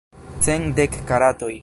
Cent dek karatoj.